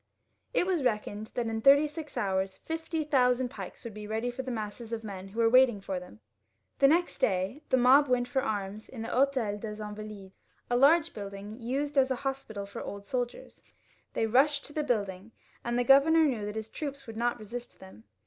It was reckoned that in thirty six hours fifty thousand pikes would be ready for the masses of men who were waiting for them. The next day the mob went for arms to the H6tel of the InvaUdes, a large building used as a hospital for old soldiers. They rushed to the building, and the governor knew that his troops would not resist them.